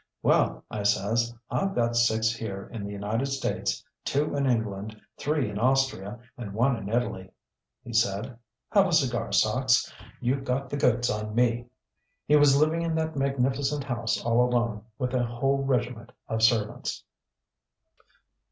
'Well,' I says. 'I've got six here in the United States, two in England, three in Austria, and one in Italy.' He said, 'Have a cigar, Sachs; you've got the goods on me!' He was living in that magnificent house all alone, with a whole regiment of servants."